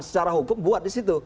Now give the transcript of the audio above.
secara hukum buat disitu